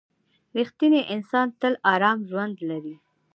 • رښتینی انسان تل ارام ژوند لري.